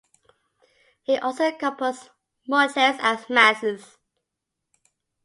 He also composed motets and masses.